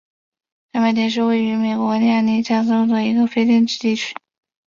上麦田是位于美国亚利桑那州阿帕契县的一个非建制地区。